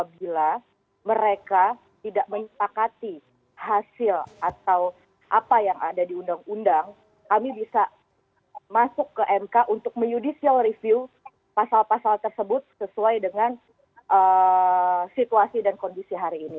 bila mereka tidak menyepakati hasil atau apa yang ada di undang undang kami bisa masuk ke mk untuk menyudicial review pasal pasal tersebut sesuai dengan situasi dan kondisi hari ini